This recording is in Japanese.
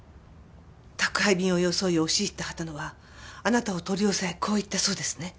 宅配便を装い押し入った秦野はあなたを取り押さえこう言ったそうですね。